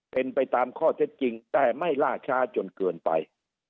เป็นไปตามข้อเท็จจริงแต่ไม่ล่าช้าจนเกินไป